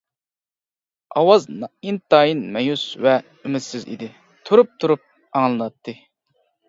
ئاۋاز ئىنتايىن مەيۈس ۋە ئۈمىدسىز ئىدى، تۇرۇپ-تۇرۇپ ئاڭلىناتتى.